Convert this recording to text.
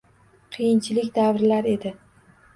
Qiyinchilik davrlar edi.